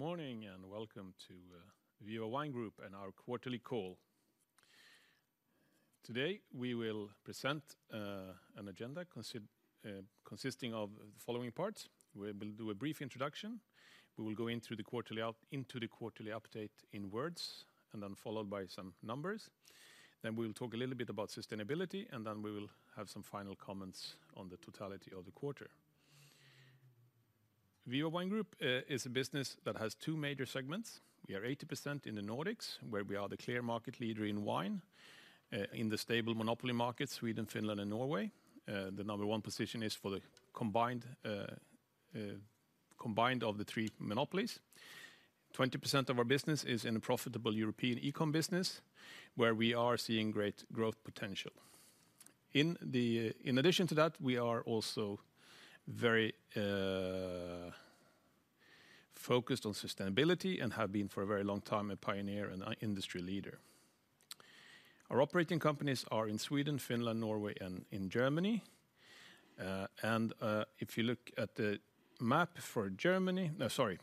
Good morning, and welcome to Viva Wine Group and our quarterly call. Today, we will present an agenda consisting of the following parts. We will do a brief introduction, we will go into the quarterly update in words, and then followed by some numbers. Then we will talk a little bit about sustainability, and then we will have some final comments on the totality of the quarter. Viva Wine Group is a business that has two major segments. We are 80% in the Nordics, where we are the clear market leader in wine in the stable monopoly markets, Sweden, Finland, and Norway. The number one position is for the combined of the three monopolies. 20% of our business is in a profitable European e-com business, where we are seeing great growth potential. In the, in addition to that, we are also very focused on sustainability and have been for a very long time, a pioneer and a industry leader. Our operating companies are in Sweden, Finland, Norway, and in Germany. If you look at the map for Germany... No, sorry.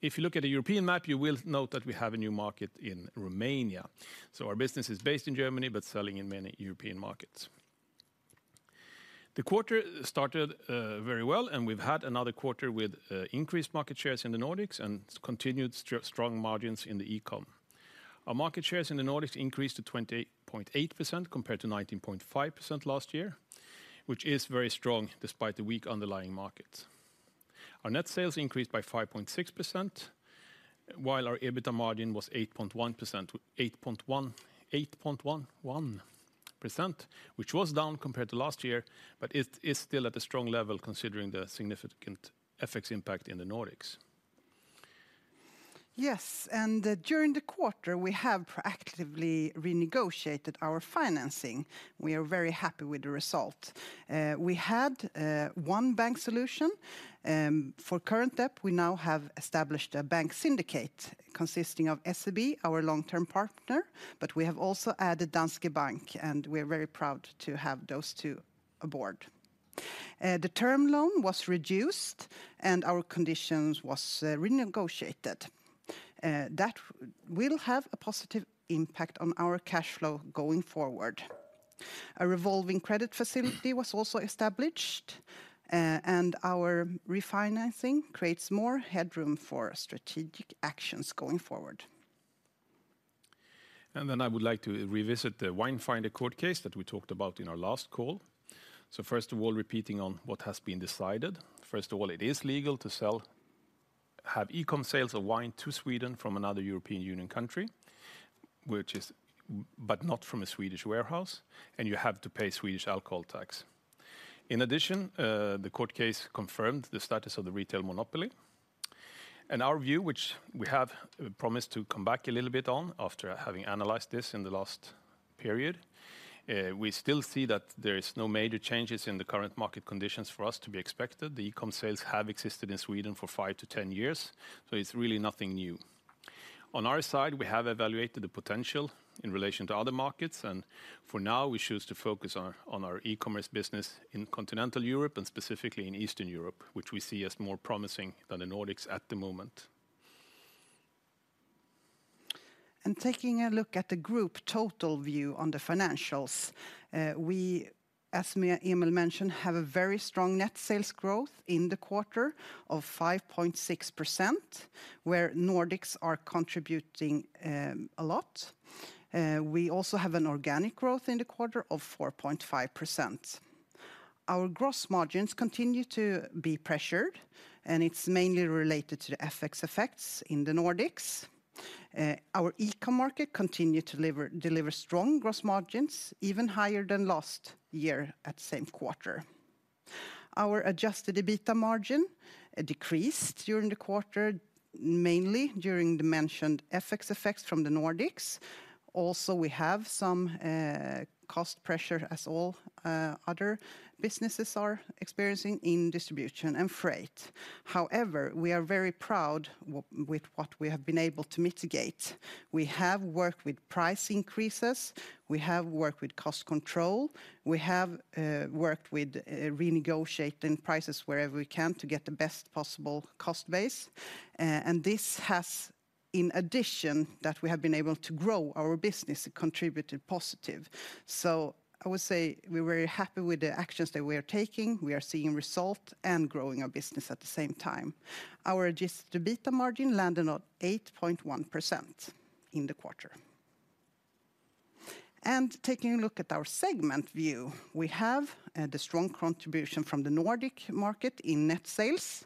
If you look at the European map, you will note that we have a new market in Romania. So our business is based in Germany, but selling in many European markets. The quarter started very well, and we've had another quarter with increased market shares in the Nordics and continued strong margins in the e-com. Our market shares in the Nordics increased to 20.8%, compared to 19.5% last year, which is very strong despite the weak underlying markets. Our net sales increased by 5.6%, while our EBITDA margin was 8.1%-8.11%, which was down compared to last year, but it is still at a strong level, considering the significant FX impact in the Nordics. Yes, and, during the quarter, we have proactively renegotiated our financing. We are very happy with the result. We had one bank solution. For current debt, we now have established a bank syndicate consisting of SEB, our long-term partner, but we have also added Danske Bank, and we are very proud to have those two aboard. The term loan was reduced and our conditions was renegotiated. That will have a positive impact on our cash flow going forward. A revolving credit facility was also established, and our refinancing creates more headroom for strategic actions going forward. Then I would like to revisit the Winefinder court case that we talked about in our last call. First of all, repeating on what has been decided. First of all, it is legal to have e-com sales of wine to Sweden from another European Union country, but not from a Swedish warehouse, and you have to pay Swedish alcohol tax. In addition, the court case confirmed the status of the retail monopoly. Our view, which we have promised to come back a little bit on, after having analyzed this in the last period, we still see that there is no major changes in the current market conditions for us to be expected. The e-com sales have existed in Sweden for 5-10 years, so it's really nothing new. On our side, we have evaluated the potential in relation to other markets, and for now, we choose to focus on our e-commerce business in continental Europe and specifically in Eastern Europe, which we see as more promising than the Nordics at the moment. Taking a look at the group total view on the financials, we, as Emil mentioned, have a very strong net sales growth in the quarter of 5.6%, where Nordics are contributing a lot. We also have an organic growth in the quarter of 4.5%. Our gross margins continue to be pressured, and it's mainly related to the FX effects in the Nordics. Our e-com market continue to deliver strong gross margins, even higher than last year at the same quarter. Our adjusted EBITDA margin decreased during the quarter, mainly during the mentioned FX effects from the Nordics. Also, we have some cost pressure, as all other businesses are experiencing in distribution and freight. However, we are very proud with what we have been able to mitigate. We have worked with price increases, we have worked with cost control, we have worked with renegotiating prices wherever we can to get the best possible cost base. And this has, in addition, that we have been able to grow our business, contributed positive. So I would say we're very happy with the actions that we are taking. We are seeing result and growing our business at the same time. Our Adjusted EBITDA margin landed on 8.1% in the quarter. And taking a look at our segment view, we have the strong contribution from the Nordic market in net sales,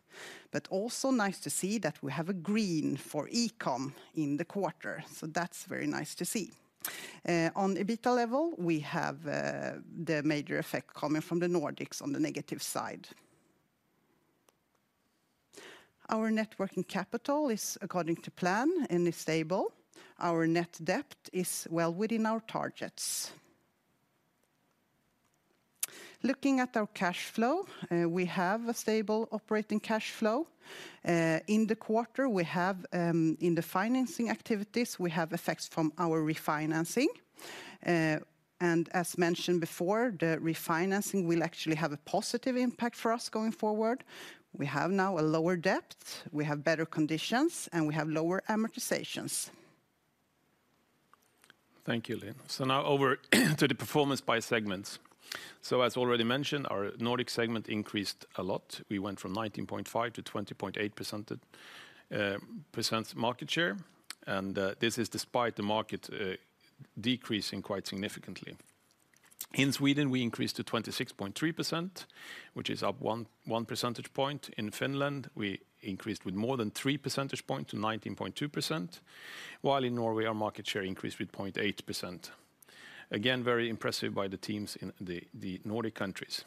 but also nice to see that we have a green for e-com in the quarter. So that's very nice to see. On EBITDA level, we have the major effect coming from the Nordics on the negative side. Our net working capital is according to plan and is stable. Our net debt is well within our targets. Looking at our cash flow, we have a stable operating cash flow. In the quarter, we have, in the financing activities, we have effects from our refinancing. And as mentioned before, the refinancing will actually have a positive impact for us going forward. We have now a lower debt, we have better conditions, and we have lower amortizations. Thank you, Linn. So now over to the performance by segments. So as already mentioned, our Nordic segment increased a lot. We went from 19.5 to 20.8% market share, and this is despite the market decreasing quite significantly. In Sweden, we increased to 26.3%, which is up one percentage point. In Finland, we increased with more than three percentage points to 19.2%, while in Norway, our market share increased with 0.8%. Again, very impressive by the teams in the Nordic countries.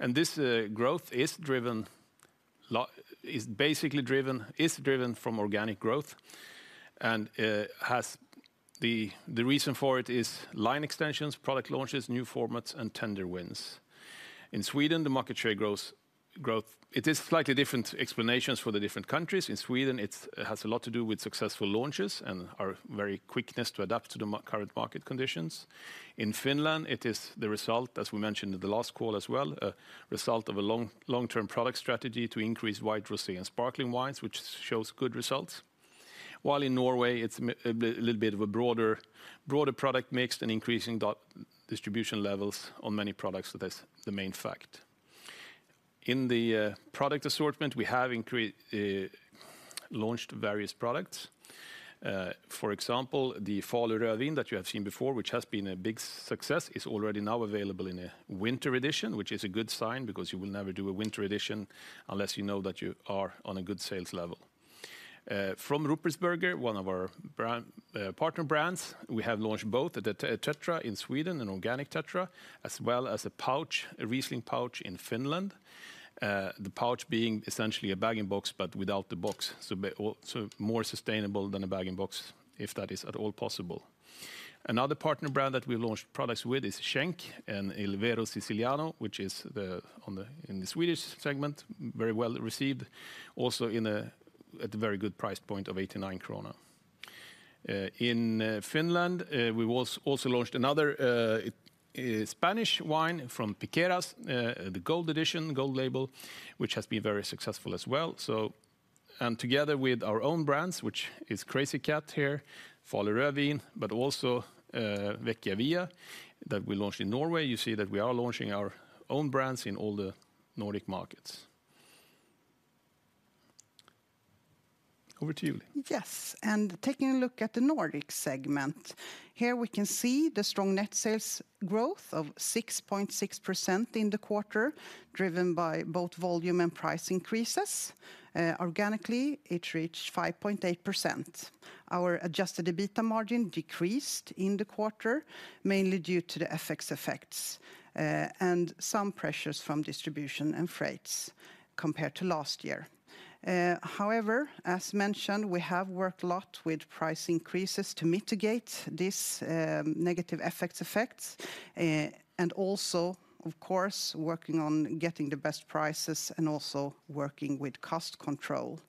And this growth is basically driven from organic growth, and the reason for it is line extensions, product launches, new formats, and tender wins. In Sweden, the market share growth. It is slightly different explanations for the different countries. In Sweden, it has a lot to do with successful launches and our very quickness to adapt to the current market conditions. In Finland, it is the result, as we mentioned in the last call as well, a result of a long, long-term product strategy to increase white rosé and sparkling wines, which shows good results. While in Norway, it's a little bit of a broader, broader product mix and increasing the distribution levels on many products, so that's the main fact. In the product assortment, we have launched various products. For example, the Folie de Vin that you have seen before, which has been a big success, is already now available in a winter edition, which is a good sign, because you will never do a winter edition unless you know that you are on a good sales level. From Ruppertsberger, one of our brand partner brands, we have launched both the Tetra in Sweden, an organic Tetra, as well as a pouch, a Riesling pouch in Finland. The pouch being essentially a bag-in-box, but without the box, so more sustainable than a bag-in-box, if that is at all possible. Another partner brand that we launched products with is Schenk and Il Vero Siciliano, which is the, on the, in the Swedish segment, very well received, also in a, at a very good price point of 89 krona. In Finland, we also launched another Spanish wine from Piqueras, the Gold Edition, Gold Label, which has been very successful as well, so... Together with our own brands, which is Crazy Cat here, Folie de Vin, but also, Vecchia Villa, that we launched in Norway, you see that we are launching our own brands in all the Nordic markets. Over to you, Linn. Yes, and taking a look at the Nordic segment, here we can see the strong net sales growth of 6.6% in the quarter, driven by both volume and price increases. Organically, it reached 5.8%. Our Adjusted EBITDA margin decreased in the quarter, mainly due to the FX effects, and some pressures from distribution and freights compared to last year. However, as mentioned, we have worked a lot with price increases to mitigate this negative FX effects, and also, of course, working on getting the best prices and also working with cost control.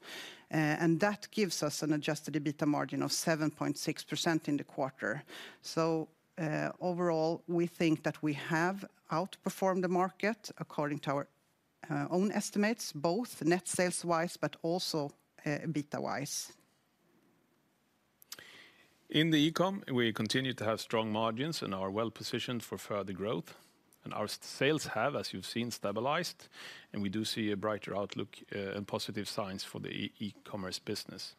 And that gives us an Adjusted EBITDA margin of 7.6% in the quarter. So, overall, we think that we have outperformed the market according to our own estimates, both net sales wise, but also EBITDA wise. In the e-com, we continue to have strong margins and are well positioned for further growth, and our sales have, as you've seen, stabilized, and we do see a brighter outlook and positive signs for the e-commerce business.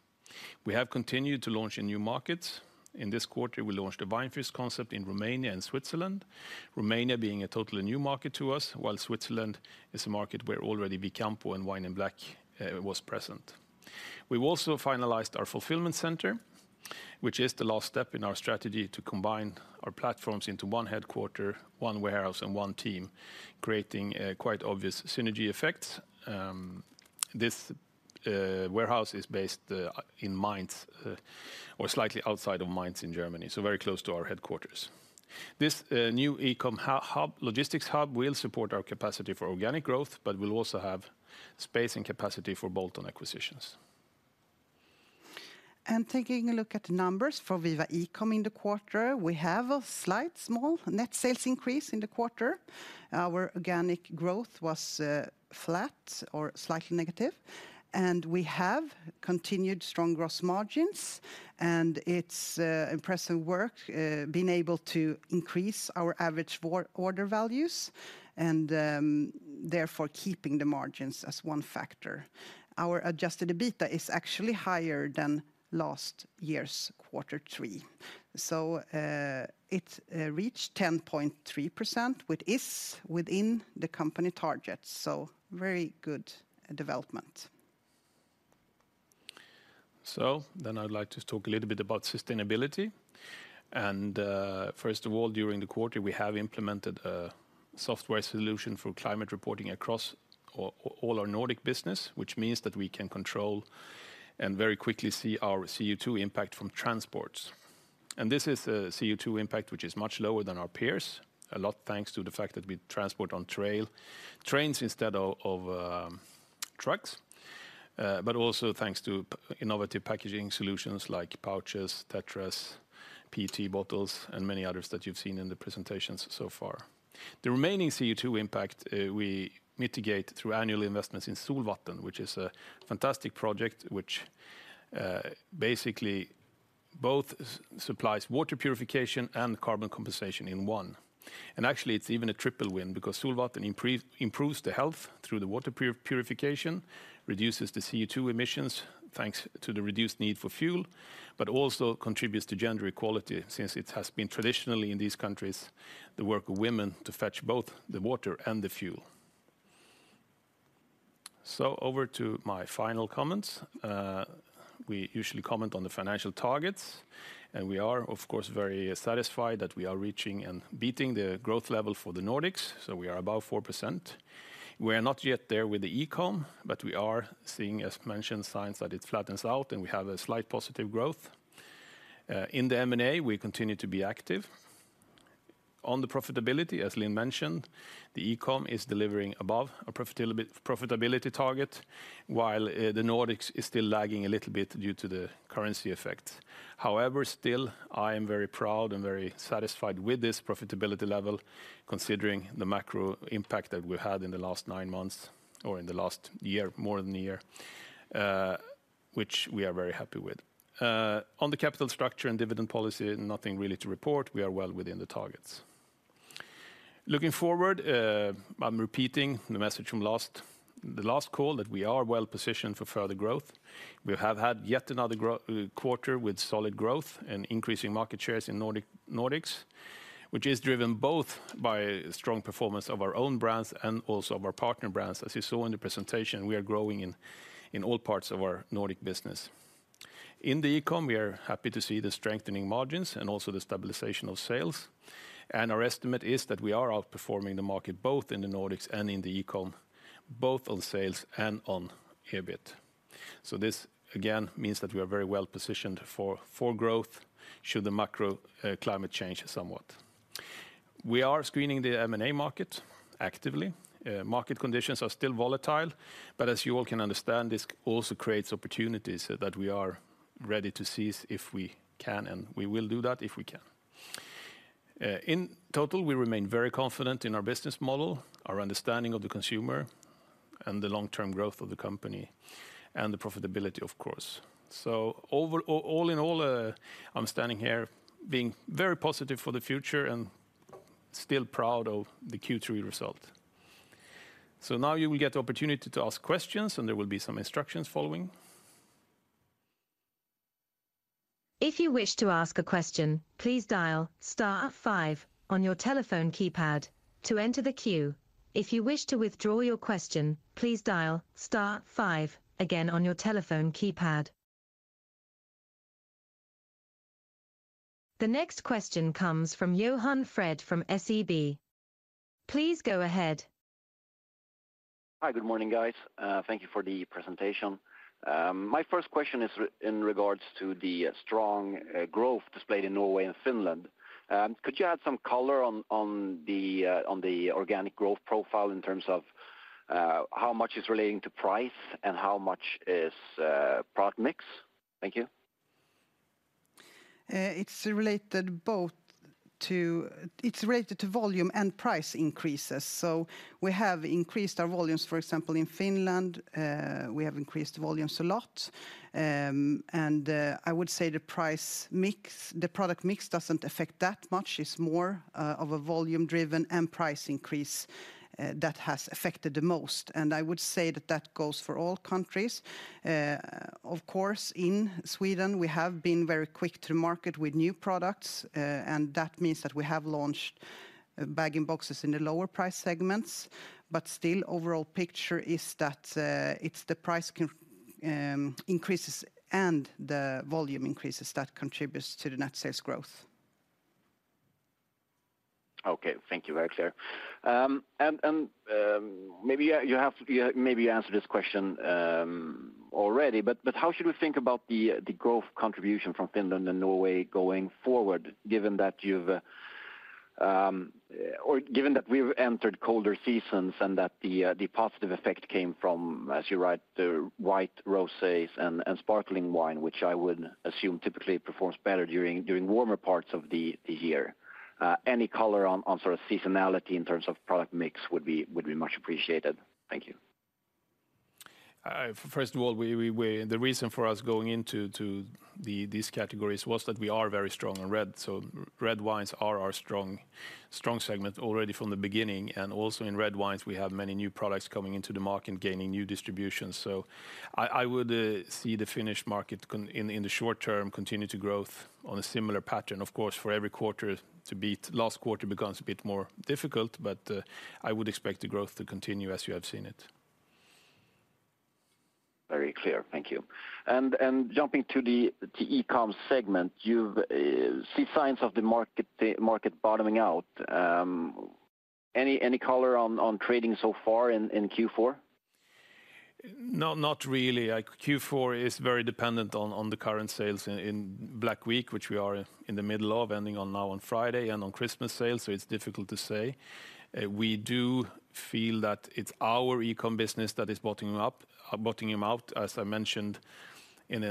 We have continued to launch in new markets. In this quarter, we launched the Weinfreunde concept in Romania and Switzerland. Romania being a totally new market to us, while Switzerland is a market where already Vicampo and Wine in Black was present. We've also finalized our fulfillment center, which is the last step in our strategy to combine our platforms into one headquarters, one warehouse, and one team, creating a quite obvious synergy effect. This warehouse is based in Mainz or slightly outside of Mainz in Germany, so very close to our headquarters. This new e-com hub, logistics hub, will support our capacity for organic growth, but will also have space and capacity for bolt-on acquisitions. Taking a look at the numbers for Viva e-com in the quarter, we have a slight small net sales increase in the quarter. Our organic growth was flat or slightly negative, and we have continued strong gross margins, and it's impressive work being able to increase our average order values, and therefore, keeping the margins as one factor. Our Adjusted EBITDA is actually higher than last year's quarter three. So it reached 10.3%, which is within the company targets, so very good development. So then I'd like to talk a little bit about sustainability. First of all, during the quarter, we have implemented a software solution for climate reporting across all our Nordic business, which means that we can control and very quickly see our CO2 impact from transports. And this is a CO2 impact which is much lower than our peers, a lot thanks to the fact that we transport on rail trains instead of trucks, but also thanks to innovative packaging solutions like pouches, tetras, PET bottles, and many others that you've seen in the presentations so far. The remaining CO2 impact, we mitigate through annual investments in Solvatten, which is a fantastic project, which basically both supplies water purification and carbon compensation in one. Actually, it's even a triple win because Solvatten improves the health through the water purification, reduces the CO2 emissions, thanks to the reduced need for fuel, but also contributes to gender equality, since it has been traditionally in these countries, the work of women to fetch both the water and the fuel. So over to my final comments. We usually comment on the financial targets, and we are, of course, very satisfied that we are reaching and beating the growth level for the Nordics, so we are above 4%. We are not yet there with the e-com, but we are seeing, as mentioned, signs that it flattens out, and we have a slight positive growth. In the M&A, we continue to be active. On the profitability, as Linn mentioned, the e-com is delivering above our profitability target, while the Nordics is still lagging a little bit due to the currency effect. However, still, I am very proud and very satisfied with this profitability level, considering the macro impact that we had in the last nine months or in the last year, more than a year, which we are very happy with. On the capital structure and dividend policy, nothing really to report. We are well within the targets. Looking forward, I'm repeating the message from the last call, that we are well-positioned for further growth. We have had yet another growth quarter with solid growth and increasing market shares in Nordics, which is driven both by strong performance of our own brands and also of our partner brands. As you saw in the presentation, we are growing in all parts of our Nordic business. In the e-com, we are happy to see the strengthening margins and also the stabilization of sales. Our estimate is that we are outperforming the market, both in the Nordics and in the e-com, both on sales and on EBIT. This, again, means that we are very well positioned for growth, should the macro climate change somewhat. We are screening the M&A market actively. Market conditions are still volatile, but as you all can understand, this also creates opportunities that we are ready to seize if we can, and we will do that if we can. In total, we remain very confident in our business model, our understanding of the consumer, and the long-term growth of the company, and the profitability, of course. So overall, all in all, I'm standing here being very positive for the future and still proud of the Q3 result. So now you will get the opportunity to ask questions, and there will be some instructions following. If you wish to ask a question, please dial star five on your telephone keypad to enter the queue. If you wish to withdraw your question, please dial star five again on your telephone keypad. The next question comes from Johan Fred from SEB. Please go ahead. Hi, good morning, guys. Thank you for the presentation. My first question is in regards to the strong growth displayed in Norway and Finland. Could you add some color on the organic growth profile in terms of how much is relating to price and how much is product mix? Thank you. It's related to volume and price increases. We have increased our volumes. For example, in Finland, we have increased volumes a lot. I would say the price mix, the product mix doesn't affect that much. It's more of a volume-driven and price increase that has affected the most. I would say that that goes for all countries. Of course, in Sweden, we have been very quick to market with new products, and that means that we have launched bag-in-boxes in the lower price segments, but still, overall picture is that it's the price increases and the volume increases that contributes to the net sales growth. Okay, thank you. Very clear. And maybe you answered this question already, but how should we think about the growth contribution from Finland and Norway going forward, given that you've or given that we've entered colder seasons and that the positive effect came from, as you write, the white roses and sparkling wine, which I would assume typically performs better during warmer parts of the year? Any color on sort of seasonality in terms of product mix would be much appreciated. Thank you. First of all, the reason for us going into these categories was that we are very strong on red, so red wines are our strong, strong segment already from the beginning, and also in red wines, we have many new products coming into the market, gaining new distribution. So I would see the Finnish market continue in the short term to grow on a similar pattern. Of course, for every quarter to beat last quarter becomes a bit more difficult, but I would expect the growth to continue as you have seen it. Very clear. Thank you. And jumping to the e-com segment, you see signs of the market bottoming out. Any color on trading so far in Q4? No, not really. Q4 is very dependent on the current sales in Black Week, which we are in the middle of, ending now on Friday, and on Christmas sales, so it's difficult to say. We do feel that it's our e-com business that is bottoming up, bottoming out, as I mentioned in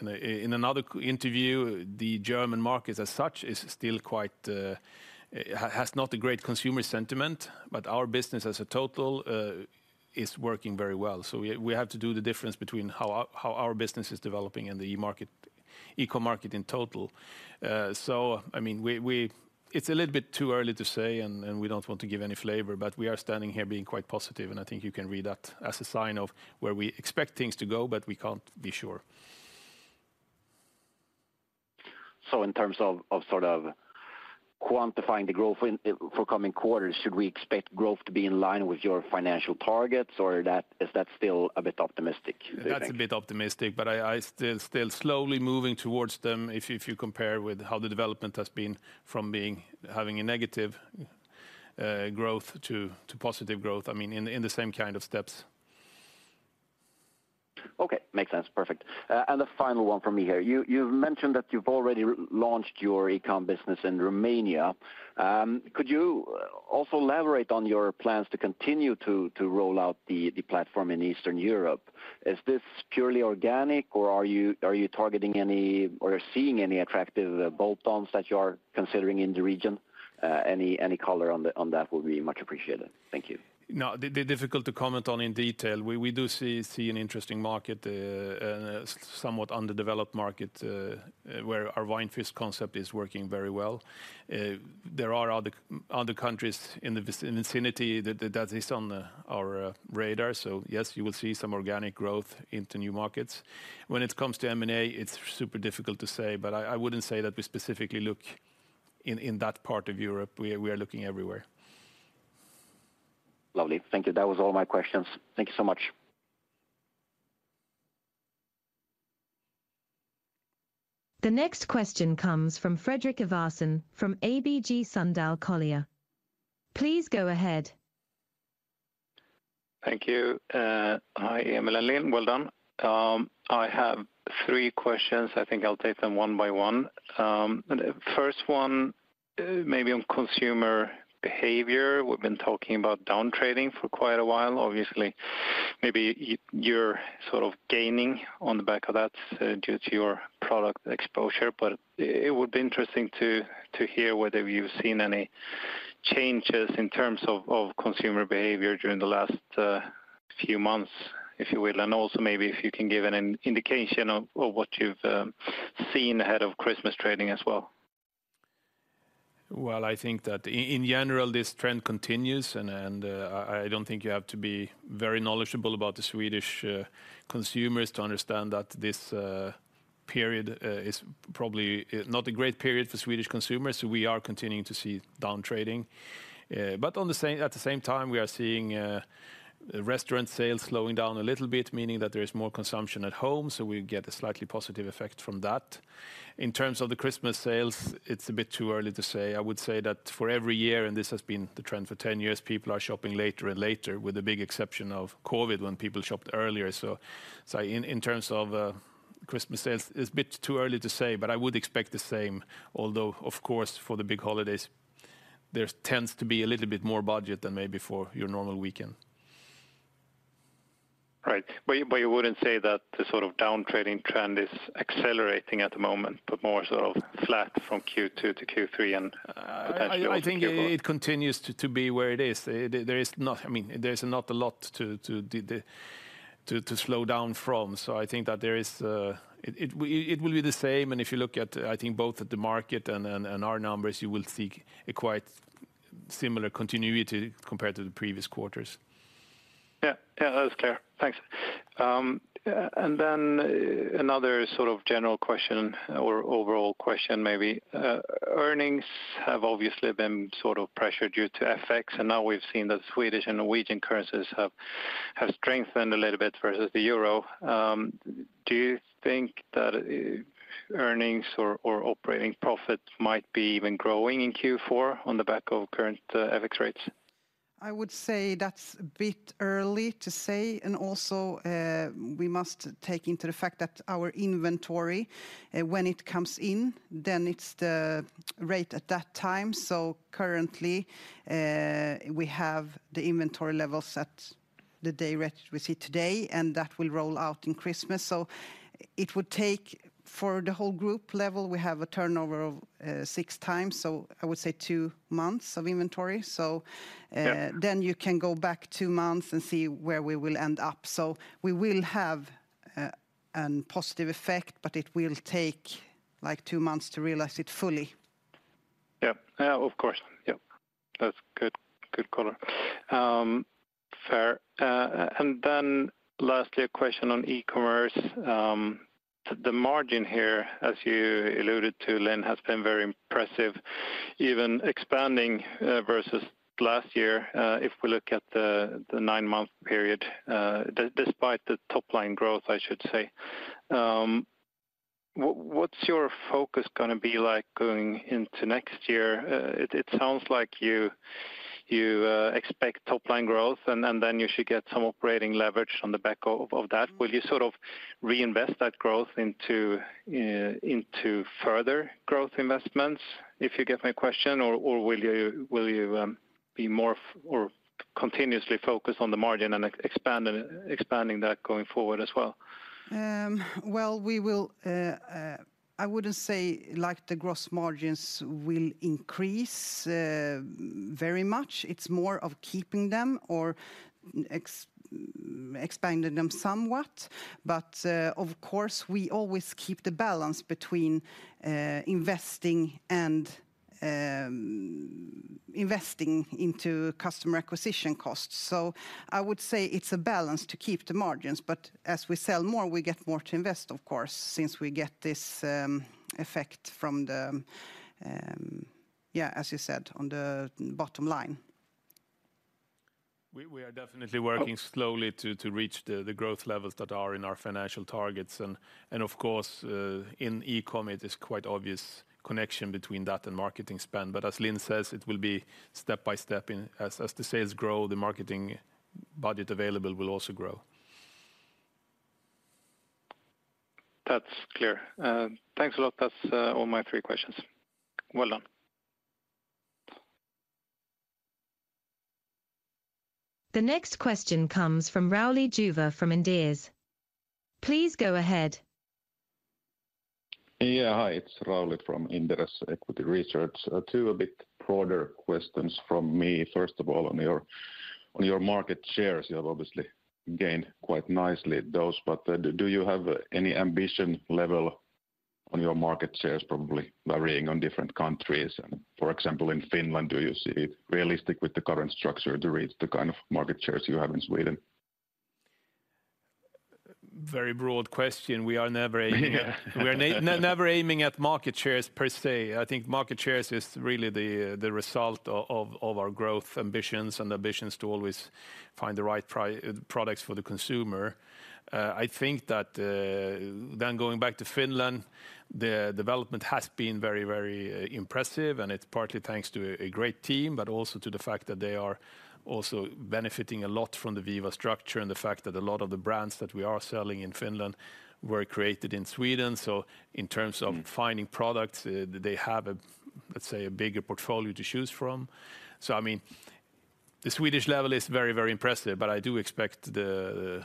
another q- interview. The German market as such is still quite has not a great consumer sentiment, but our business as a total is working very well. So we have to do the difference between how our business is developing and the market, e-com market in total. So I mean, it's a little bit too early to say, and we don't want to give any flavor, but we are standing here being quite positive, and I think you can read that as a sign of where we expect things to go, but we can't be sure. So in terms of sort of quantifying the growth win for coming quarters, should we expect growth to be in line with your financial targets, or that, is that still a bit optimistic? That's a bit optimistic, but I still slowly moving towards them. If you compare with how the development has been from being, having a negative growth to positive growth, I mean, in the same kind of steps. Okay, makes sense. Perfect. And the final one from me here. You've mentioned that you've already launched your e-com business in Romania. Could you also elaborate on your plans to continue to roll out the platform in Eastern Europe? Is this purely organic, or are you targeting any, or you're seeing any attractive bolt-ons that you are considering in the region? Any color on that will be much appreciated. Thank you. No, they difficult to comment on in detail. We do see an interesting market and somewhat underdeveloped market where our Weinfreunde concept is working very well. There are other countries in the vicinity that is on our radar. So yes, you will see some organic growth into new markets. When it comes to M&A, it's super difficult to say, but I wouldn't say that we specifically look in that part of Europe. We are looking everywhere. Lovely. Thank you. That was all my questions. Thank you so much. The next question comes from Fredrik Ivarsson, from ABG Sundal Collier. Please go ahead. Thank you, hi, Emil and Linn. Well done. I have three questions. I think I'll take them one by one. The first one, maybe on consumer behavior. We've been talking about down trading for quite a while. Obviously, maybe you're sort of gaining on the back of that, due to your product exposure, but it would be interesting to hear whether you've seen any changes in terms of consumer behavior during the last few months, if you will. And also maybe if you can give an indication of what you've seen ahead of Christmas trading as well. Well, I think that in general, this trend continues, and I don't think you have to be very knowledgeable about the Swedish consumers to understand that this period is probably not a great period for Swedish consumers. We are continuing to see down trading. But at the same time, we are seeing restaurant sales slowing down a little bit, meaning that there is more consumption at home, so we get a slightly positive effect from that. In terms of the Christmas sales, it's a bit too early to say. I would say that for every year, and this has been the trend for 10 years, people are shopping later and later, with the big exception of COVID, when people shopped earlier. So in terms of Christmas sales, it's a bit too early to say, but I would expect the same, although of course, for the big holidays, there tends to be a little bit more budget than maybe for your normal weekend. Right. But you wouldn't say that the sort of down-trading trend is accelerating at the moment, but more sort of flat from Q2 to Q3 and, I think it continues to be where it is. There is not, I mean, there's not a lot to slow down from. So I think that it will be the same, and if you look at, I think both at the market and our numbers, you will see a quite similar continuity compared to the previous quarters. Yeah, yeah, that's clear. Thanks. And then another sort of general question or overall question, maybe. Earnings have obviously been sort of pressured due to FX, and now we've seen the Swedish and Norwegian currencies have strengthened a little bit versus the euro. Do you think that earnings or operating profits might be even growing in Q4 on the back of current FX rates? I would say that's a bit early to say, and also, we must take into the fact that our inventory, when it comes in, then it's the rate at that time. So currently, we have the inventory levels at the day we see today, and that will roll out in Christmas. So it would take, for the whole group level, we have a turnover of, six times, so I would say two months of inventory. So, Yeah... then you can go back two months and see where we will end up. So we will have a positive effect, but it will take, like, two months to realize it fully. Yeah. Yeah, of course. Yep, that's good, good color. Fair. And then lastly, a question on e-commerce. The margin here, as you alluded to, Linn, has been very impressive, even expanding, versus last year, if we look at the nine-month period, despite the top line growth, I should say. What, what's your focus gonna be like going into next year? It sounds like you expect top line growth, and then you should get some operating leverage on the back of that. Will you sort of reinvest that growth into further growth investments? If you get my question, or will you continuously focus on the margin and expanding that going forward as well? Well, we will, I wouldn't say like the gross margins will increase very much. It's more of keeping them or expanding them somewhat. But, of course, we always keep the balance between investing and investing into customer acquisition costs. So I would say it's a balance to keep the margins, but as we sell more, we get more to invest, of course, since we get this effect from the, yeah, as you said, on the bottom line. We are definitely working slowly to reach the growth levels that are in our financial targets. And of course, in e-com, it is quite obvious connection between that and marketing spend. But as Linn says, it will be step by step, as the sales grow, the marketing budget available will also grow. That's clear. Thanks a lot. That's all my three questions. Well done. The next question comes from Rauli Juva, from Inderes. Please go ahead. Yeah, hi, it's Rauli from Inderes Equity Research. Two a bit broader questions from me. First of all, on your market shares, you have obviously gained quite nicely those, but do you have any ambition level on your market shares, probably varying on different countries? And for example, in Finland, do you see it realistic with the current structure to reach the kind of market shares you have in Sweden? Very broad question. We are never aiming at market shares per se. I think market shares is really the result of our growth ambitions and ambitions to always find the right products for the consumer. I think that then going back to Finland, the development has been very, very impressive, and it's partly thanks to a great team, but also to the fact that they are also benefiting a lot from the Viva structure and the fact that a lot of the brands that we are selling in Finland were created in Sweden. So in terms of finding products, they have a let's say bigger portfolio to choose from. So I mean, the Swedish level is very, very impressive, but I do expect the,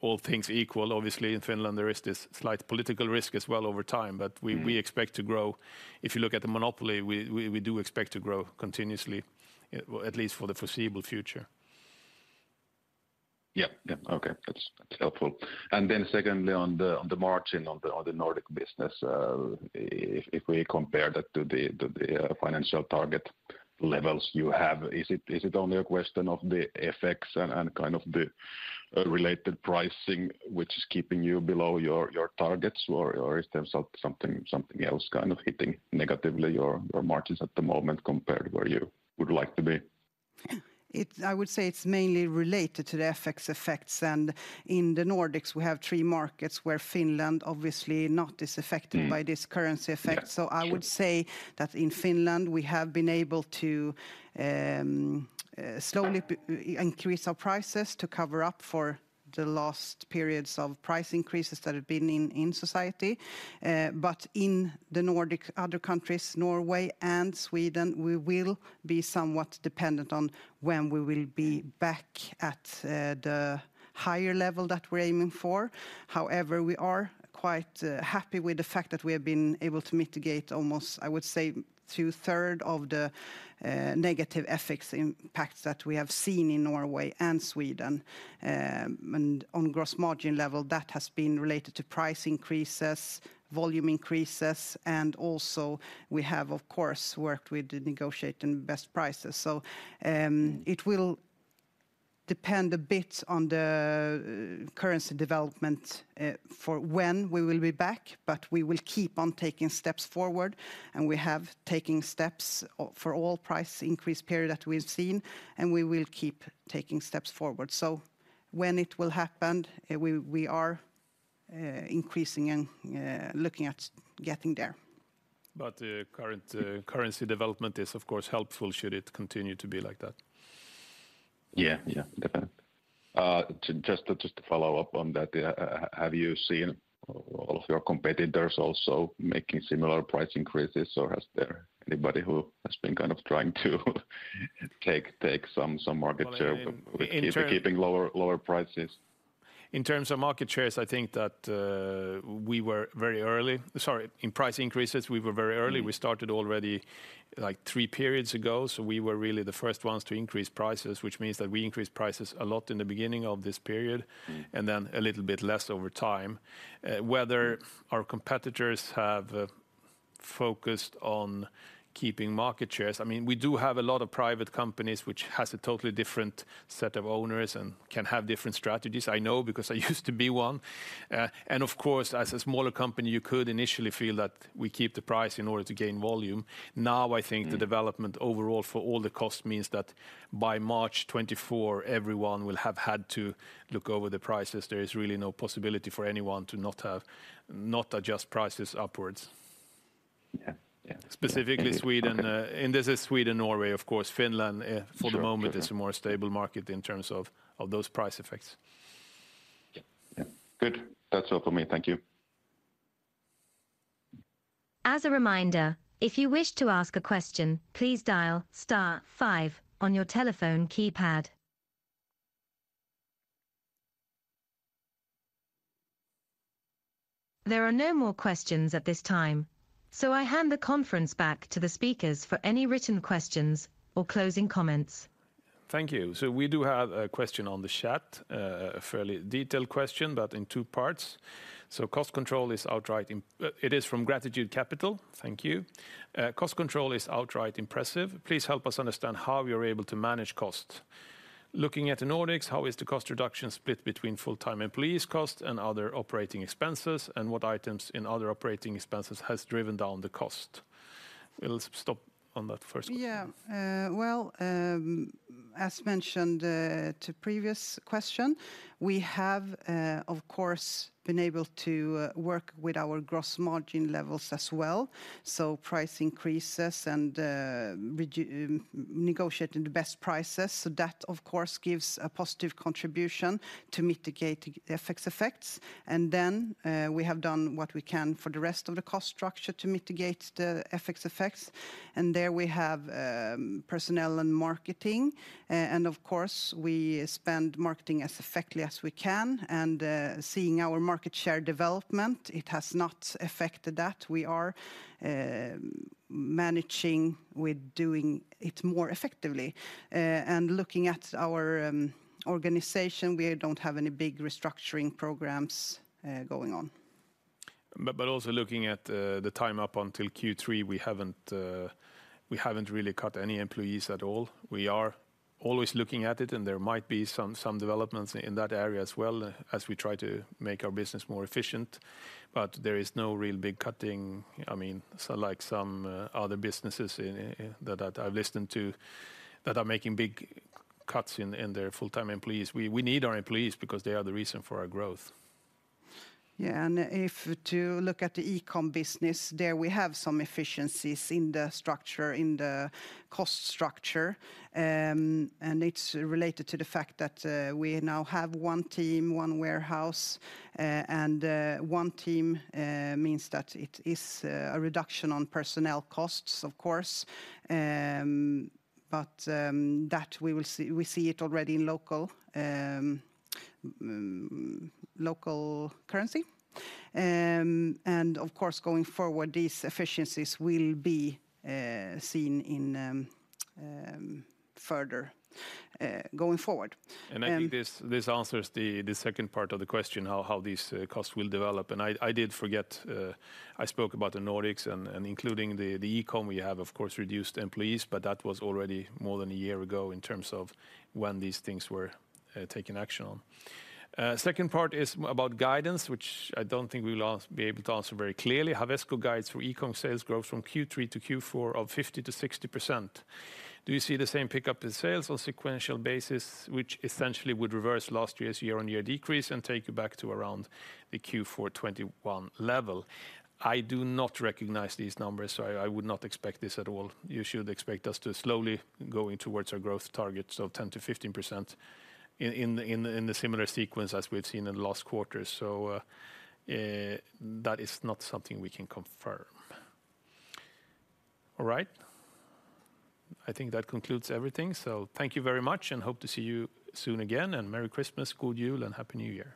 all things equal, obviously, in Finland, there is this slight political risk as well over time. But we- Mm. We expect to grow. If you look at the monopoly, we do expect to grow continuously, at least for the foreseeable future. Yeah, yeah. Okay, that's, that's helpful. And then secondly, on the margin on the Nordic business, if we compare that to the financial target levels you have, is it only a question of the effects and kind of the related pricing, which is keeping you below your targets? Or is there something else kind of hitting negatively your margins at the moment compared to where you would like to be? I would say it's mainly related to the effects, and in the Nordics, we have three markets where Finland obviously not as affected. Mm... by this currency effect. Yeah. So I would say that in Finland, we have been able to slowly increase our prices to cover up for the last periods of price increases that have been in society. But in the other Nordic countries, Norway and Sweden, we will be somewhat dependent on when we will be back at the higher level that we're aiming for. However, we are quite happy with the fact that we have been able to mitigate almost, I would say, two-thirds of the negative effects, impacts that we have seen in Norway and Sweden. And on gross margin level, that has been related to price increases, volume increases, and also we have, of course, worked with negotiating the best prices. So, it will depend a bit on the currency development, for when we will be back, but we will keep on taking steps forward, and we have taking steps for all price increase period that we've seen, and we will keep taking steps forward. So when it will happen, we are increasing and looking at getting there. But the current currency development is, of course, helpful, should it continue to be like that? Yeah, yeah, definitely. Just to follow up on that, have you seen all of your competitors also making similar price increases, or has there anybody who has been kind of trying to take some market share- Well, in term- With keeping lower, lower prices? In terms of market shares, I think that we were very early. Sorry, in price increases, we were very early. Mm. We started already, like, three periods ago, so we were really the first ones to increase prices, which means that we increased prices a lot in the beginning of this period- Mm... and then a little bit less over time. Whether our competitors have focused on keeping market shares, I mean, we do have a lot of private companies which has a totally different set of owners and can have different strategies. I know because I used to be one. Of course, as a smaller company, you could initially feel that we keep the price in order to gain volume. Now, I think the- Mm... development overall for all the costs means that by March 2024, everyone will have had to look over the prices. There is really no possibility for anyone to not have, not adjust prices upwards. Yeah. Yeah. Specifically Sweden, Okay... and this is Sweden, Norway, of course. Finland, for the moment- Sure... is a more stable market in terms of those price effects. Yeah. Yeah. Good. That's all for me. Thank you.... As a reminder, if you wish to ask a question, please dial star five on your telephone keypad. There are no more questions at this time, so I hand the conference back to the speakers for any written questions or closing comments. Thank you. So we do have a question on the chat, a fairly detailed question, but in two parts. So cost control is outright impressive. It is from Gratitude Capital. Thank you. Cost control is outright impressive. Please help us understand how we are able to manage costs. Looking at the Nordics, how is the cost reduction split between full-time employees cost and other operating expenses? And what items in other operating expenses has driven down the cost? Let's stop on that first one. Yeah. Well, as mentioned to previous question, we have, of course, been able to work with our gross margin levels as well. So price increases and negotiating the best prices. So that, of course, gives a positive contribution to mitigate the FX effects. And then we have done what we can for the rest of the cost structure to mitigate the FX effects. And there we have personnel and marketing. And of course, we spend marketing as effectively as we can, and seeing our market share development, it has not affected that. We are managing with doing it more effectively. And looking at our organization, we don't have any big restructuring programs going on. But also looking at the time up until Q3, we haven't really cut any employees at all. We are always looking at it, and there might be some developments in that area as well, as we try to make our business more efficient. But there is no real big cutting, I mean, so like some other businesses in that I've listened to, that are making big cuts in their full-time employees. We need our employees because they are the reason for our growth. Yeah, and if to look at the e-com business, there we have some efficiencies in the structure, in the cost structure. It's related to the fact that we now have one team, one warehouse. One team means that it is a reduction on personnel costs, of course. But we see it already in local currency. And of course, going forward, these efficiencies will be seen in further going forward. I think this answers the second part of the question, how these costs will develop. I did forget, I spoke about the Nordics and including the e-com, we have, of course, reduced employees, but that was already more than a year ago in terms of when these things were taken action on. Second part is about guidance, which I don't think we will be able to answer very clearly. Hawesko guides for e-com sales growth from Q3 to Q4 of 50%-60%. Do you see the same pickup in sales or sequential basis, which essentially would reverse last year's year-on-year decrease and take you back to around the Q4 2021 level? I do not recognize these numbers, so I would not expect this at all. You should expect us to slowly going towards our growth targets of 10%-15% in the similar sequence as we've seen in the last quarter. So, that is not something we can confirm. All right. I think that concludes everything. So thank you very much, and hope to see you soon again, and Merry Christmas, Good Yule, and Happy New Year!